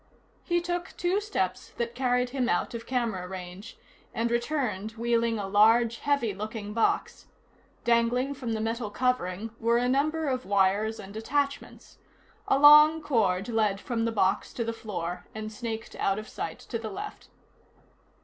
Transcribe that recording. He took two steps that carried him out of camera range, and returned wheeling a large heavy looking box. Dangling from the metal covering were a number of wires and attachments. A long cord led from the box to the floor and snaked out of sight to the left.